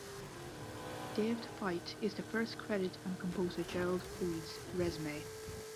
"Day of the Fight" is the first credit on composer Gerald Fried's resume.